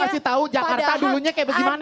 lu kasih tau jakarta dulunya kayak gimana